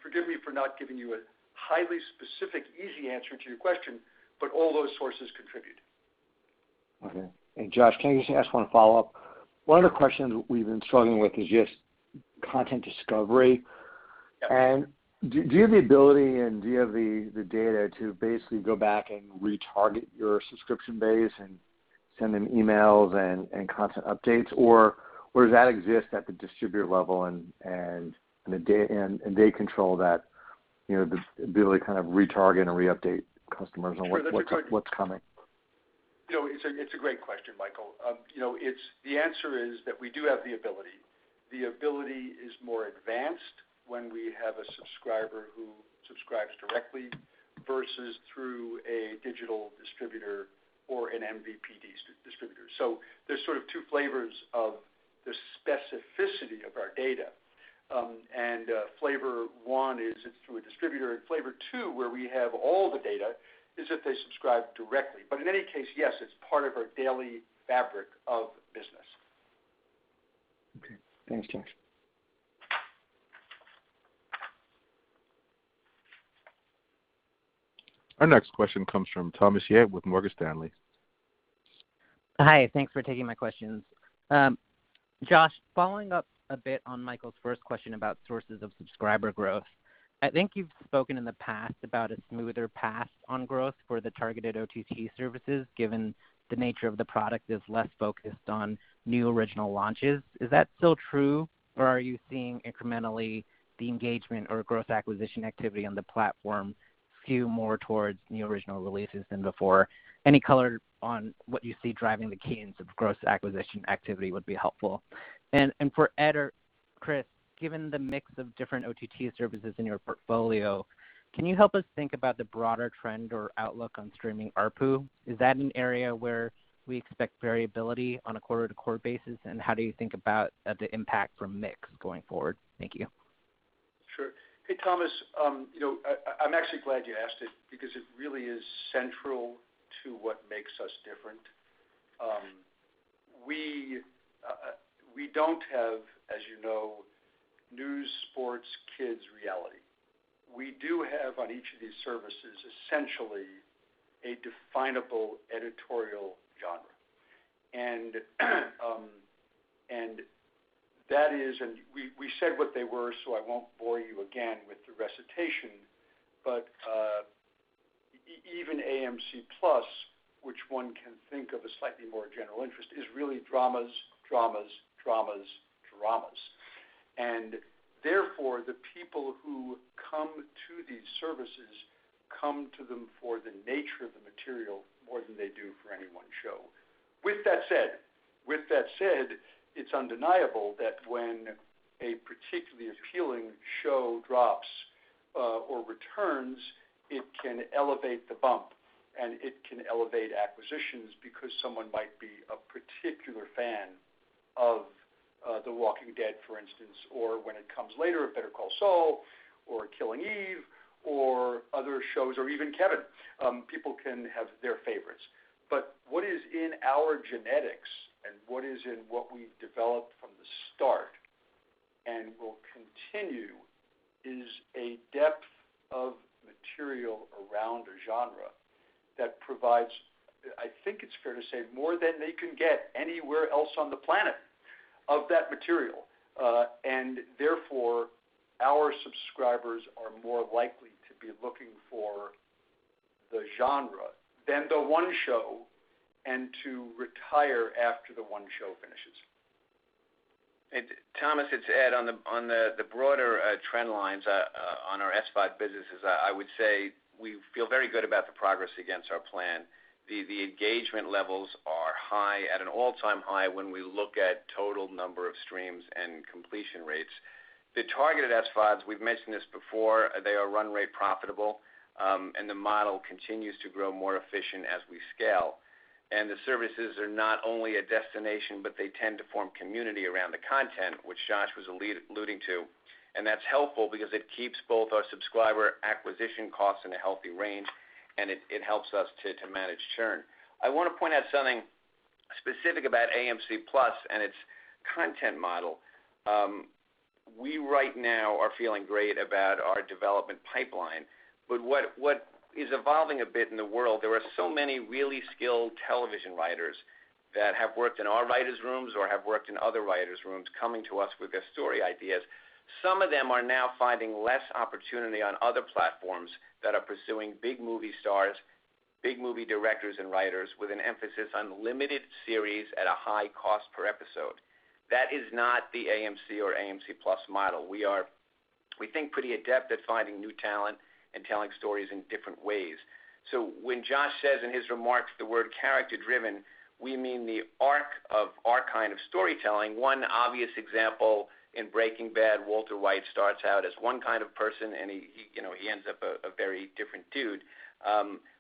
[SPEAKER 3] Forgive me for not giving you a highly specific, easy answer to your question, but all those sources contribute.
[SPEAKER 7] Okay. Josh, can I just ask one follow-up? One of the questions we've been struggling with is just content discovery.
[SPEAKER 3] Yeah.
[SPEAKER 7] Do you have the ability, and do you have the data to basically go back and retarget your subscription base and send them emails and content updates, or does that exist at the distributor level and they control that, the ability to kind of retarget and re-update customers on what's coming?
[SPEAKER 3] Sure. That's a great question, Michael. The answer is that we do have the ability. The ability is more advanced when we have a subscriber who subscribes directly versus through a digital distributor or an MVPD distributor. There's sort of 2 flavors of the specificity of our data. Flavor 1 is it's through a distributor, and flavor 2, where we have all the data, is if they subscribe directly. In any case, yes, it's part of our daily fabric of business.
[SPEAKER 7] Okay. Thanks, Josh.
[SPEAKER 1] Our next question comes from Thomas Yeh with Morgan Stanley.
[SPEAKER 8] Hi. Thanks for taking my questions. Josh, following up a bit on Michael's first question about sources of subscriber growth, I think you've spoken in the past about a smoother path on growth for the targeted OTT services, given the nature of the product is less focused on new original launches. Is that still true, or are you seeing incrementally the engagement or growth acquisition activity on the platform skew more towards new original releases than before? Any color on what you see driving the cadence of growth acquisition activity would be helpful. And for Ed or Chris, given the mix of different OTT services in your portfolio, can you help us think about the broader trend or outlook on streaming ARPU? Is that an area where we expect variability on a quarter-to-quarter basis, and how do you think about the impact from mix going forward? Thank you.
[SPEAKER 3] Sure. Hey, Thomas. I'm actually glad you asked it because it really is central to what makes us different. We don't have, as you know, news, sports, kids, reality. We do have on each of these services, essentially a definable editorial genre. We said what they were, so I won't bore you again with the recitation, but even AMC+, which one can think of as slightly more general interest, is really dramas, dramas. Therefore, the people who come to these services come to them for the nature of the material more than they do for any one show. With that said, it's undeniable that when a particularly appealing show drops or returns, it can elevate the bump and it can elevate acquisitions because someone might be a particular fan of The Walking Dead, for instance, or when it comes later, of Better Call Saul or Killing Eve or other shows, or even Kevin. People can have their favorites. What is in our genetics and what is in what we've developed from the start, and will continue, is a depth of material around a genre that provides, I think it's fair to say, more than they can get anywhere else on the planet of that material. Therefore, our subscribers are more likely to be looking for the genre than the one show and to retire after the one show finishes.
[SPEAKER 4] Thomas, it's Ed. On the broader trend lines on our SVOD businesses, I would say we feel very good about the progress against our plan. The engagement levels are high, at an all-time high when we look at total number of streams and completion rates. The targeted SVODs, we've mentioned this before, they are run rate profitable. The model continues to grow more efficient as we scale. The services are not only a destination, but they tend to form community around the content, which Josh was alluding to. That's helpful because it keeps both our subscriber acquisition costs in a healthy range and it helps us to manage churn. I want to point out something specific about AMC+ and its content model. We right now are feeling great about our development pipeline. What is evolving a bit in the world, there are so many really skilled television writers that have worked in our writers' rooms or have worked in other writers' rooms, coming to us with their story ideas. Some of them are now finding less opportunity on other platforms that are pursuing big movie stars, big movie directors and writers, with an emphasis on limited series at a high cost per episode. That is not the AMC or AMC+ model. We think pretty adept at finding new talent and telling stories in different ways. When Josh says in his remarks the word character-driven, we mean the arc of our kind of storytelling. One obvious example in "Breaking Bad," Walter White starts out as one kind of person and he ends up a very different dude.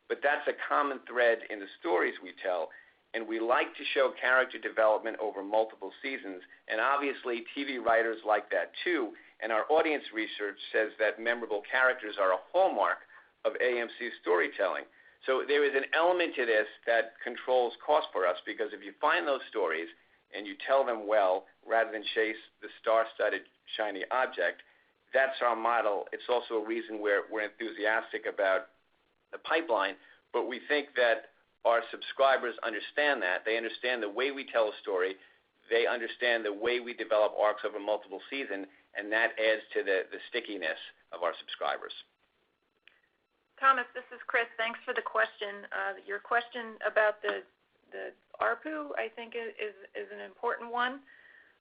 [SPEAKER 4] That's a common thread in the stories we tell, and we like to show character development over multiple seasons. Obviously, TV writers like that too, and our audience research says that memorable characters are a hallmark of AMC's storytelling. There is an element to this that controls cost for us, because if you find those stories and you tell them well, rather than chase the star-studded, shiny object, that's our model. It's also a reason we're enthusiastic about the pipeline. We think that our subscribers understand that. They understand the way we tell a story, they understand the way we develop arcs over multiple season, and that adds to the stickiness of our subscribers.
[SPEAKER 5] Thomas, this is Chris. Thanks for the question. Your question about the ARPU, I think is an important one.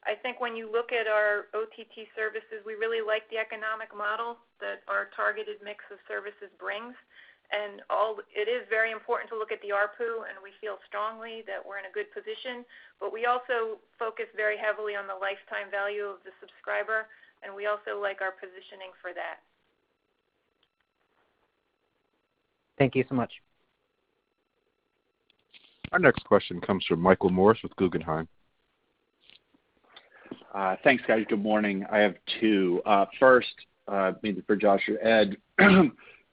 [SPEAKER 5] I think when you look at our OTT services, we really like the economic model that our targeted mix of services brings. It is very important to look at the ARPU, and we feel strongly that we're in a good position. We also focus very heavily on the lifetime value of the subscriber, and we also like our positioning for that.
[SPEAKER 8] Thank you so much.
[SPEAKER 1] Our next question comes from Michael Morris with Guggenheim.
[SPEAKER 9] Thanks, guys. Good morning. I have two. First, maybe for Josh or Ed,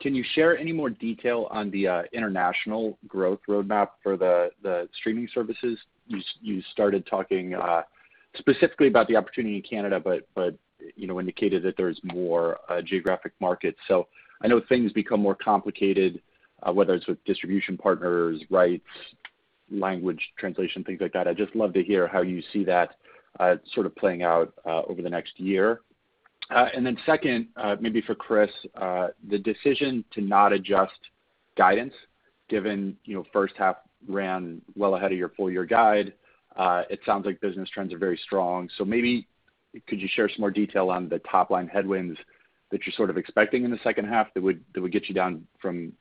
[SPEAKER 9] can you share any more detail on the international growth roadmap for the streaming services? You started talking specifically about the opportunity in Canada but indicated that there is more geographic markets. I know things become more complicated, whether it is with distribution partners, rights, language translation, things like that. I would just love to hear how you see that sort of playing out over the next year. Second, maybe for Chris, the decision to not adjust guidance given first half ran well ahead of your full-year guide. It sounds like business trends are very strong. Maybe could you share some more detail on the top-line headwinds that you are sort of expecting in the second half that would get you down from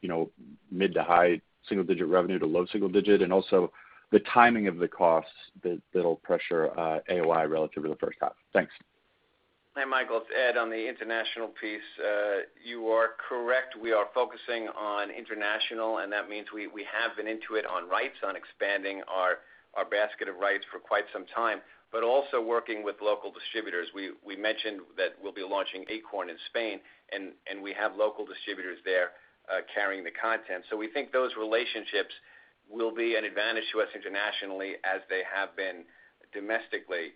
[SPEAKER 9] mid-to-high single-digit revenue to low single-digit? Also the timing of the costs that'll pressure AOI relative to the first half. Thanks.
[SPEAKER 4] Hi, Michael. It's Ed. On the international piece, you are correct. We are focusing on international, and that means we have been into it on rights, on expanding our basket of rights for quite some time. Also working with local distributors. We mentioned that we'll be launching Acorn TV in Spain and we have local distributors there carrying the content. We think those relationships will be an advantage to us internationally as they have been domestically.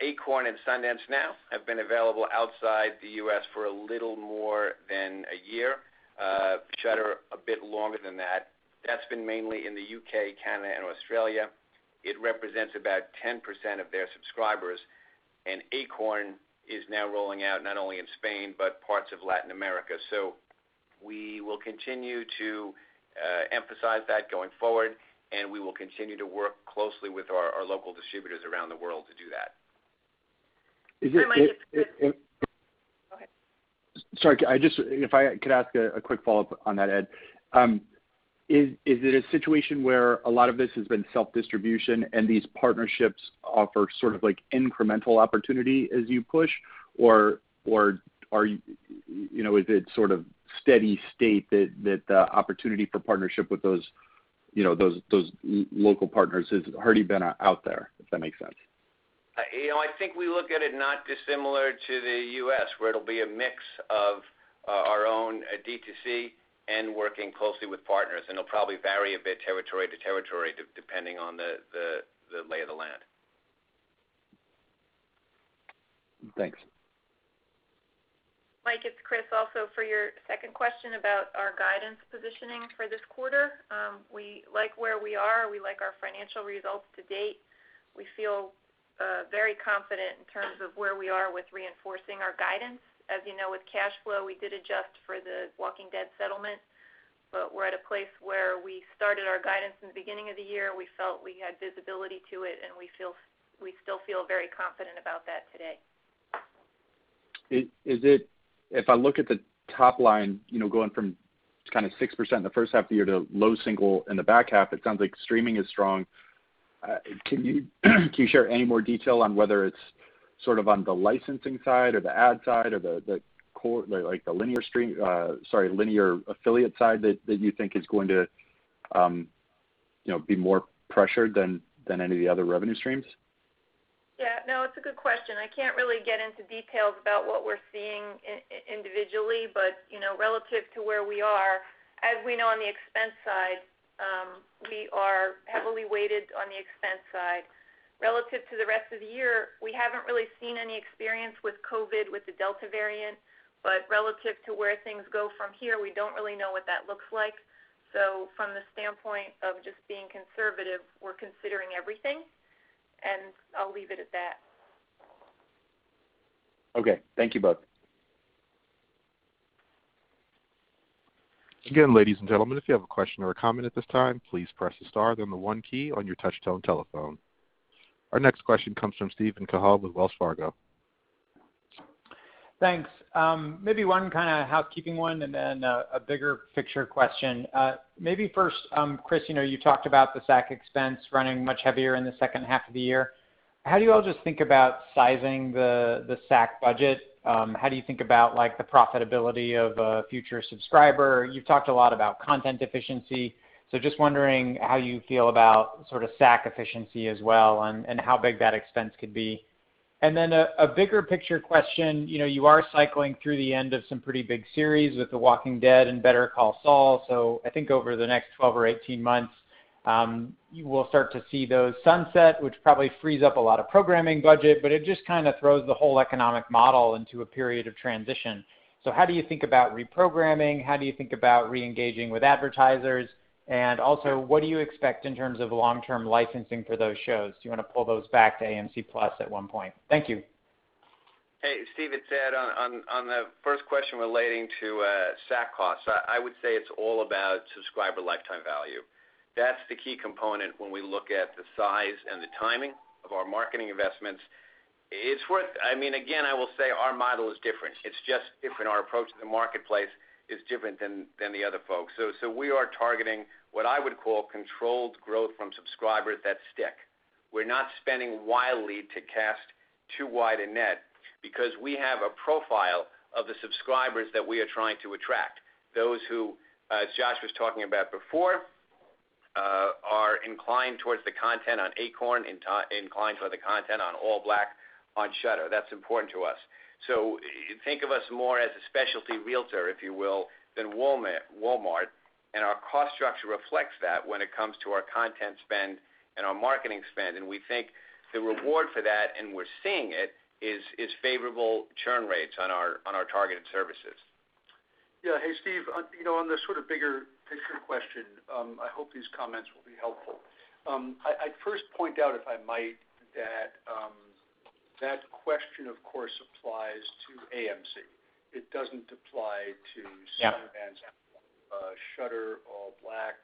[SPEAKER 4] Acorn TV and Sundance Now have been available outside the U.S. for a little more than one year. Shudder, a bit longer than that. That's been mainly in the U.K., Canada, and Australia. It represents about 10% of their subscribers, and Acorn TV is now rolling out not only in Spain but parts of Latin America. We will continue to emphasize that going forward, and we will continue to work closely with our local distributors around the world to do that.
[SPEAKER 9] Is it-
[SPEAKER 5] Mike, it's Chris. Go ahead.
[SPEAKER 9] Sorry. If I could ask a quick follow-up on that, Ed. Is it a situation where a lot of this has been self-distribution and these partnerships offer sort of incremental opportunity as you push, or is it sort of steady state that the opportunity for partnership with those local partners has already been out there? If that makes sense?
[SPEAKER 4] I think we look at it not dissimilar to the U.S., where it'll be a mix of our own DTC and working closely with partners, and it'll probably vary a bit territory to territory depending on the lay of the land.
[SPEAKER 9] Thanks.
[SPEAKER 5] Mike, it's Chris. For your second question about our guidance positioning for this quarter. We like where we are. We like our financial results to date. We feel very confident in terms of where we are with reinforcing our guidance. As you know, with cash flow, we did adjust for The Walking Dead settlement, we're at a place where we started our guidance in the beginning of the year. We felt we had visibility to it, we still feel very confident about that today.
[SPEAKER 9] If I look at the top line, going from kind of 6% in the first half of the year to low single in the back half, it sounds like streaming is strong. Can you share any more detail on whether it's sort of on the licensing side or the ad side or the linear affiliate side that you think is going to be more pressured than any of the other revenue streams?
[SPEAKER 5] Yeah, no, it's a good question. I can't really get into details about what we're seeing individually, but relative to where we are, as we know on the expense side, we are heavily weighted on the expense side. Relative to the rest of the year, we haven't really seen any experience with COVID, with the Delta variant, but relative to where things go from here, we don't really know what that looks like. From the standpoint of just being conservative, we're considering everything, and I'll leave it at that.
[SPEAKER 9] Okay. Thank you both.
[SPEAKER 1] Our next question comes from Steven Cahall with Wells Fargo.
[SPEAKER 10] Thanks. Maybe one kind of housekeeping one and then a bigger picture question. Maybe first, Chris, you talked about the SAC expense running much heavier in the second half of the year. How do you all just think about sizing the SAC budget? How do you think about the profitability of a future subscriber? You've talked a lot about content efficiency. Just wondering how you feel about sort of SAC efficiency as well, and how big that expense could be. Then a bigger picture question. You are cycling through the end of some pretty big series with "The Walking Dead" and "Better Call Saul." I think over the next 12 or 18 months, you will start to see those sunset, which probably frees up a lot of programming budget, but it just kind of throws the whole economic model into a period of transition. How do you think about reprogramming? How do you think about re-engaging with advertisers? Also, what do you expect in terms of long-term licensing for those shows? Do you want to pull those back to AMC+ at one point? Thank you.
[SPEAKER 4] Hey, Steve, it's Ed. On the first question relating to SAC costs, I would say it's all about subscriber lifetime value. That's the key component when we look at the size and the timing of our marketing investments. I will say our model is different. It's just different. Our approach to the marketplace is different than the other folks. We are targeting what I would call controlled growth from subscribers that stick. We're not spending wildly to cast too wide a net because we have a profile of the subscribers that we are trying to attract. Those who, as Josh was talking about before, are inclined towards the content on Acorn, inclined toward the content on ALLBLK, on Shudder. That's important to us. Think of us more as a specialty realtor, if you will, than Walmart, and our cost structure reflects that when it comes to our content spend and our marketing spend. We think the reward for that, and we're seeing it, is favorable churn rates on our targeted services.
[SPEAKER 3] Yeah. Hey, Steve. On the sort of bigger picture question, I hope these comments will be helpful. I'd first point out, if I might, that question, of course, applies to AMC.
[SPEAKER 10] Yeah.
[SPEAKER 3] Sundance Now, Shudder, ALLBLK,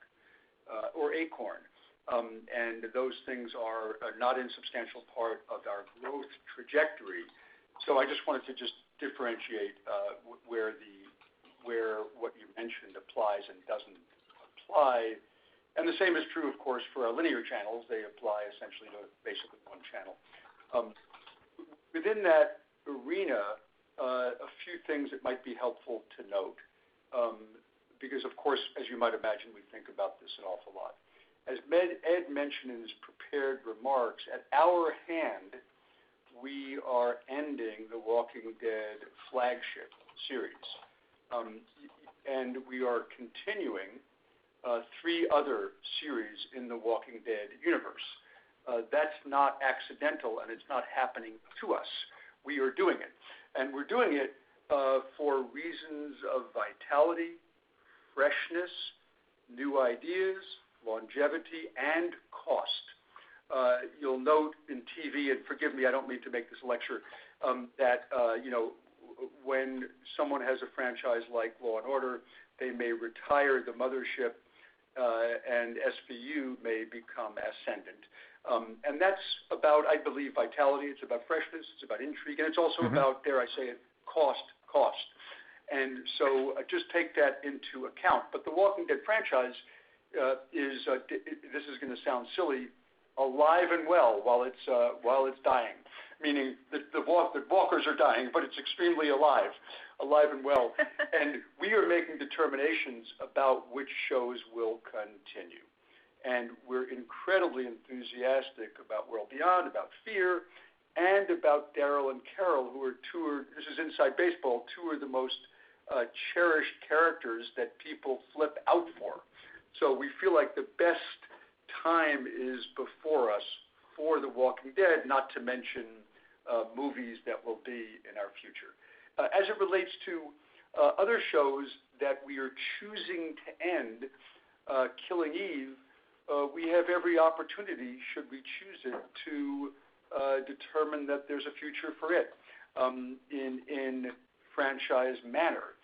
[SPEAKER 3] or Acorn TV. Those things are not a substantial part of our growth trajectory. I just wanted to differentiate where what you mentioned applies and doesn't apply. The same is true, of course, for our linear channels. They apply essentially to basically one channel. Within that arena, a few things that might be helpful to note because, of course, as you might imagine, we think about this an awful lot. As Ed mentioned in his prepared remarks, we are ending The Walking Dead flagship series. We are continuing 3 other series in The Walking Dead universe. That's not accidental, and it's not happening to us. We are doing it. We're doing it for reasons of vitality, freshness, new ideas, longevity, and cost. You'll note in TV, and forgive me, I don't mean to make this a lecture, that when someone has a franchise like "Law & Order," they may retire the mothership, and SVU may become ascendant. That's about, I believe, vitality, it's about freshness, it's about intrigue, and it's also about, dare I say it, cost. Just take that into account. "The Walking Dead" franchise is, this is going to sound silly, alive and well while it's dying. Meaning, the walkers are dying, but it's extremely alive. Alive and well. We are making determinations about which shows will continue. We're incredibly enthusiastic about "World Beyond," about "Fear," and about Daryl and Carol, who are two, this is inside baseball, two of the most cherished characters that people flip out for. We feel like the best time is before us for "The Walking Dead," not to mention movies that will be in our future. As it relates to other shows that we are choosing to end, "Killing Eve," we have every opportunity, should we choose it, to determine that there's a future for it in franchise manner.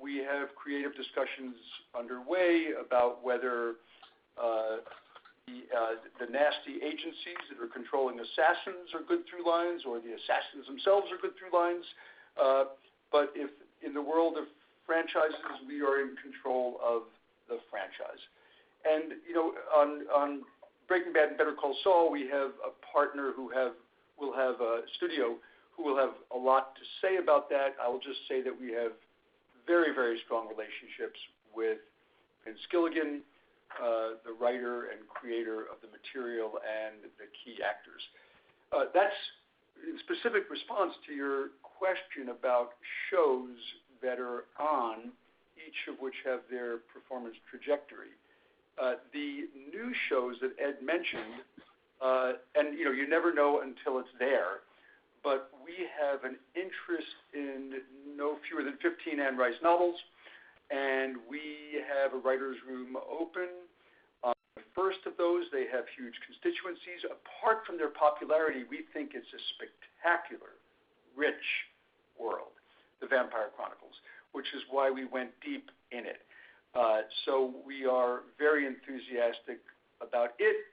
[SPEAKER 3] We have creative discussions underway about whether the nasty agencies that are controlling assassins are good through lines, or the assassins themselves are good through lines. If in the world of franchises, we are in control of the franchise. On "Breaking Bad" and "Better Call Saul," we have a partner who will have a studio who will have a lot to say about that. I will just say that we have very strong relationships with Vince Gilligan, the writer and creator of the material, and the key actors. That's specific response to your question about shows that are on, each of which have their performance trajectory. The new shows that Ed mentioned, and you never know until it's there, but we have an interest in no fewer than 15 Anne Rice novels, and we have a writer's room open on the first of those. They have huge constituencies. Apart from their popularity, we think it's a spectacular, rich world, "The Vampire Chronicles," which is why we went deep in it. We are very enthusiastic about it.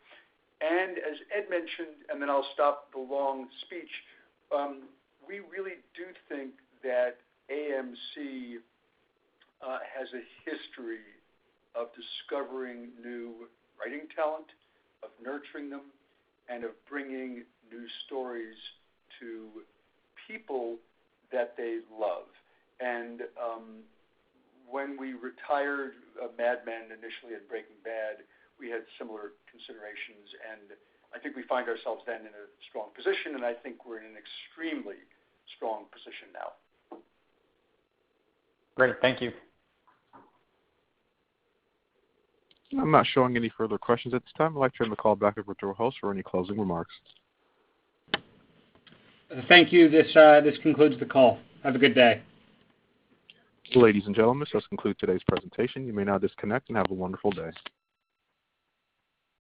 [SPEAKER 3] As Ed mentioned, and then I'll stop the long speech, we really do think that AMC has a history of discovering new writing talent, of nurturing them, and of bringing new stories to people that they love. When we retired "Mad Men" initially and "Breaking Bad," we had similar considerations, and I think we find ourselves then in a strong position, and I think we're in an extremely strong position now.
[SPEAKER 10] Great. Thank you.
[SPEAKER 1] I'm not showing any further questions at this time. I'd like to turn the call back over to our host for any closing remarks.
[SPEAKER 2] Thank you. This concludes the call. Have a good day.
[SPEAKER 1] Ladies and gentlemen, this does conclude today's presentation. You may now disconnect, and have a wonderful day.